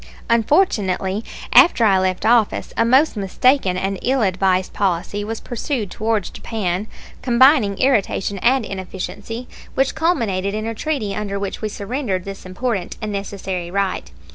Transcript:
Unfortunately, after I left office, a most mistaken and ill advised policy was pursued towards Japan, combining irritation and inefficiency, which culminated in a treaty under which we surrendered this important and necessary right.